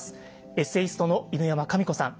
エッセイストの犬山紙子さん。